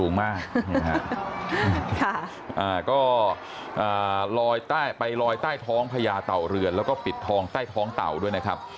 ก็ลอยไปลอยใต้ท้องพญาเต่าเรือนแล้วก็ปิดทองใต้ท้องเต่าด้วยนะครับ